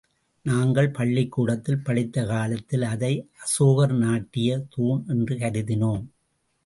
நாங்கள் பள்ளிக்கூடத்தில் படித்த காலத்தில் அதை அசோகர் நாட்டிய தூண் என்று கருதினோம்.